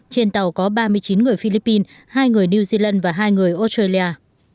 trên tàu có ba mươi chín người philippines hai người new zealand và hai người australia